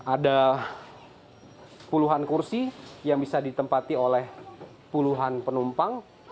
ada puluhan kursi yang bisa ditempati oleh puluhan penumpang